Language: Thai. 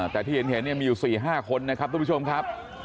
แต่ที่เห็นมีอยู่๔๕คนนะครับทุกผู้ชมครับ